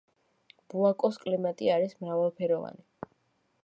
ბოაკოს კლიმატი არის მრავალფეროვანი.